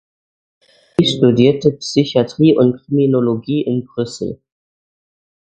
Sie studierte Psychiatrie und Kriminologie in Brüssel.